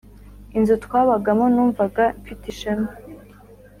inzu twabagamo Numvaga mfite ishema